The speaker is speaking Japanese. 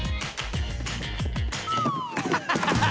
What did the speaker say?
ハハハハハ！